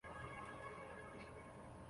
向塘镇是下辖的一个镇。